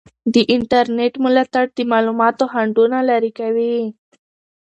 د انټرنیټ ملاتړ د معلوماتو خنډونه لرې کوي.